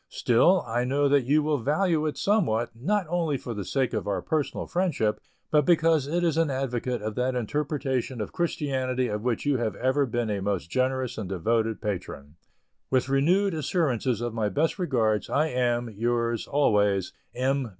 Still, I know that you will value it somewhat, not only for the sake of our personal friendship, but because it is an advocate of that interpretation of Christianity of which you have ever been a most generous and devoted patron. With renewed assurances of my best regards, I am, yours, always, M.